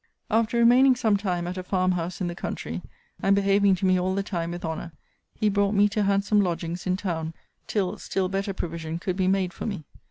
'After remaining some time at a farm house in the country, and behaving to me all the time with honour, he brought me to handsome lodgings in town till still better provision could be made for me.